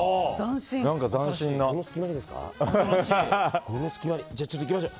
この隙間にですか。